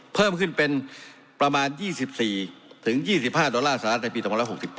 เพิ่มขึ้นเป็นประมาณ๒๔๒๕ดอลลาร์สหรัฐในปี๒๖๘